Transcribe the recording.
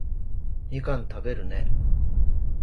みかん食べるね